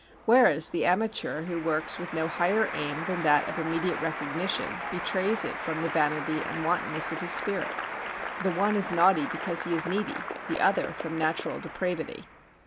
Whereas the amateur who works with no higher aim than that of immediate recognition betrays it from the vanity and wantonness of his spirit. The one is naughty because he is needy, the other from natural depravity.